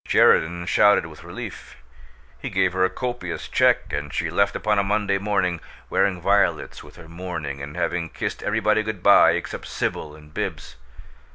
Sheridan shouted with relief; he gave her a copious cheque, and she left upon a Monday morning wearing violets with her mourning and having kissed everybody good by except Sibyl and Bibbs.